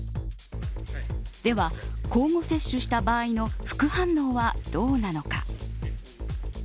では、交互接種した場合の副反応はどうなのか。